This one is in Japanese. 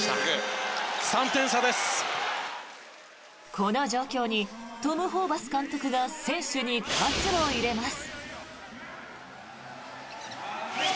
この状況にトム・ホーバス監督が選手に活を入れます。